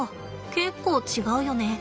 結構違うよね。